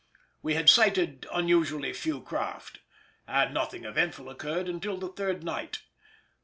We had sighted unusually few craft, and nothing eventful occurred until the third night.